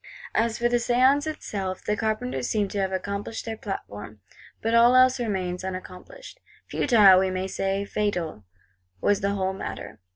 As for the Séance itself, the Carpenters seem to have accomplished their platform; but all else remains unaccomplished. Futile, we may say fatal, was the whole matter.